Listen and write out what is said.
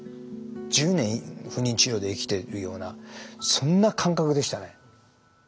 １０年不妊治療で生きてるようなそんな感覚でしたね。